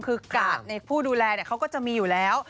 คือกาดในผู้ดูแลเขาก็จะมีอยู่แล้ว